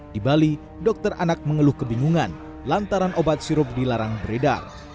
di bali dokter anak mengeluh kebingungan lantaran obat sirup dilarang beredar